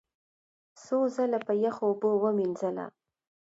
څو ځله په یخو اوبو ومینځله،